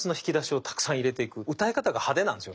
歌い方が派手なんすよ